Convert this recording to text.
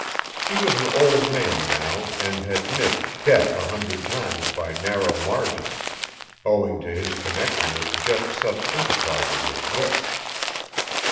He was an old man now and had missed death a hundred times by narrow margins owing to his connection with just such enterprises as this.